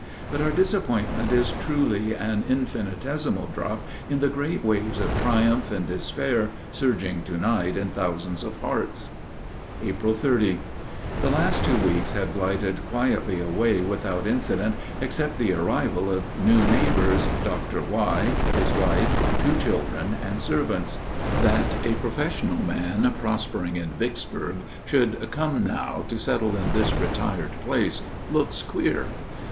But our disappointment is truly an infinitesimal drop in the great waves of triumph and despair surging to night in thousands of hearts. April 30. The last two weeks have glided quietly away without incident except the arrival of new neighbors Dr. Y., his wife, two children, and servants. That a professional man prospering in Vicksburg should come now to settle in this retired place looks queer.